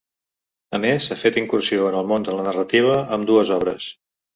A més ha fet incursió en el món de la narrativa amb dues obres.